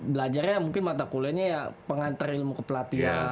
belajarnya mungkin mata kuliahnya ya pengantar ilmu kepelatihan